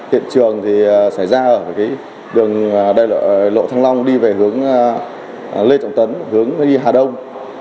hiện trường thì xảy ra ở đường đây là lộ thăng long đi về hướng lê trọng tấn hướng đi hà đông